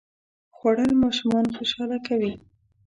خوړل ماشومان خوشاله کوي